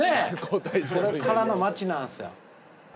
これからの町なんすよ。